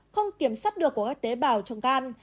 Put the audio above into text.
không kiểm soát được của các tế bảo trong gan